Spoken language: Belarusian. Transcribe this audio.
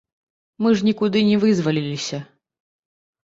Мы ж нікуды не вызваліліся.